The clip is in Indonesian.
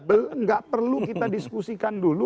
tidak perlu kita diskusikan dulu